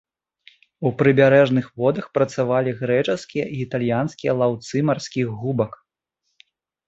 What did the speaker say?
У прыбярэжных водах працавалі грэчаскія і італьянскія лаўцы марскіх губак.